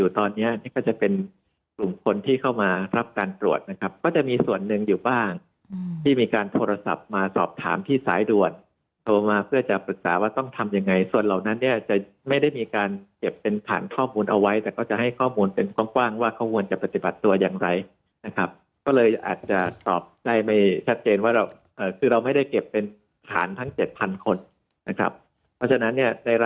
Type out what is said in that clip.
ที่เข้ามารับการตรวจนะครับก็จะมีส่วนหนึ่งอยู่บ้างอืมที่มีการโทรศัพท์มาสอบถามที่สายด่วนโทรมาเพื่อจะปรึกษาว่าต้องทำยังไงส่วนเหล่านั้นเนี่ยจะไม่ได้มีการเก็บเป็นฐานข้อมูลเอาไว้แต่ก็จะให้ข้อมูลเป็นกว้างกว้างว่าข้อมูลจะปฏิบัติตัวอย่างไรนะครับก็เลยอาจจะตอบใจไม่ชัดเจนว่าเราเอ่